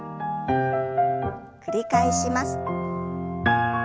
繰り返します。